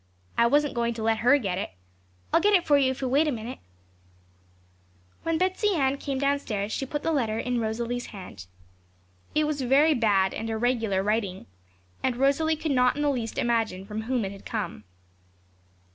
I wasn't going to let her get it. I'll get it for you if you'll wait a minute.' When Betsey Ann came downstairs, she put the letter in Rosalie's hand. It was very bad and irregular writing, and Rosalie could not in the least imagine from whom it had come.